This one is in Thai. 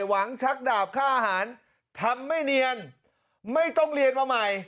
หวังชักดาบค่าอาหารทำไม่เนียนไม่ต้องเรียนมาใหม่